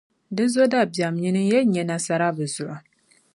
Di zo dabiεm, nyini n-yɛn nya nasara bɛ zuɣu.